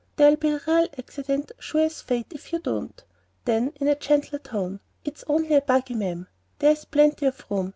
There'll be a real accident, sure as fate, if you don't." Then in a gentler tone, "It's only a buggy, ma'am; there's plenty of room.